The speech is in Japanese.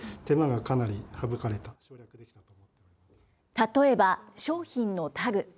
例えば商品のタグ。